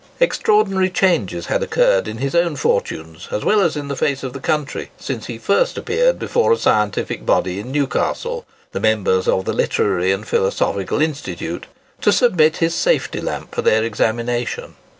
Extraordinary changes had occurred in his own fortunes, as well as in the face of the country, since he had first appeared before a scientific body in Newcastle—the members of the Literary and Philosophical Institute—to submit his safety lamp for their examination.